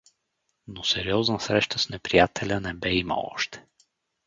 Но сериозна среща с неприятеля не бе имал още.